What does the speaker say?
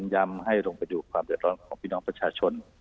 ก็เน้นยำให้ลงไปดูความเดี๋ยวร้อนของพี่น้องประชาชน